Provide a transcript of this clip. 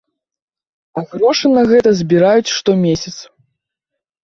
А грошы на гэта збіраюць штомесяц.